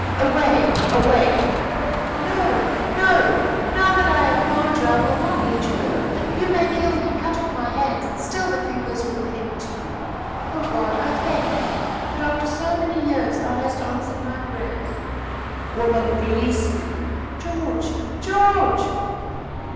"Away! away!" "No, no! Now that I have found you, I will not let you go. You may kill me, cut off my hands, and still the fingers will cling to you. Oh, God! I thank thee, that, after so many years, thou hast answered my prayers!" "Woman, release me!" "George! George!"